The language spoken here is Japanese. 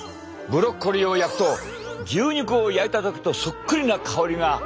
ブロッコリーを焼くと牛肉を焼いた時とそっくりな香りがあふれ出すのだ。